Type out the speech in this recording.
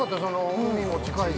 海も近いし。